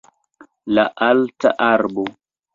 La alta arbo